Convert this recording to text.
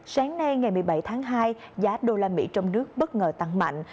sáng nay ngày một mươi bảy tháng hai giá đô la mỹ trong nước bất ngờ tăng mạnh